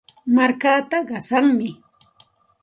Markaata qasanmi.